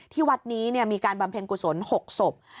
ที่วัดนี้มีการบำเพ็ญกุศล๖ศพ